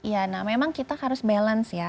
iya nah memang kita harus balance ya